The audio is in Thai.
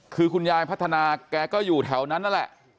คือคุณยายพัฒนาแกก็อยู่แถวนั้นนั่นแหละ